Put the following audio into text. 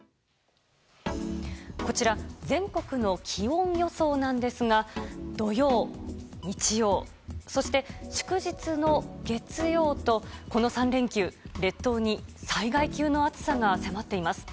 こちら全国の気温予想なんですが土曜、日曜、そして祝日の月曜とこの３連休、列島に災害級の暑さが迫っています。